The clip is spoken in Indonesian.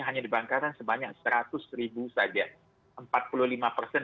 hanya dibangkarkan sebanyak seratus ribu kuota